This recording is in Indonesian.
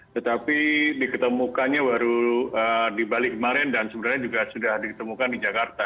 tetapi diketemukannya baru di bali kemarin dan sebenarnya juga sudah diketemukan di jakarta